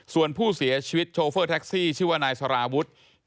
ส่วนผู้เสียชีวิตโชเฟอร์แท็กซี่ชื่อว่านายสารวุฒิ